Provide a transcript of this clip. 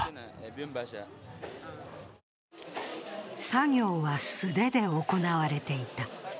作業は素手で行われていた。